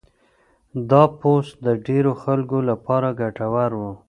دا پوسټ د ډېرو خلکو لپاره ګټور و.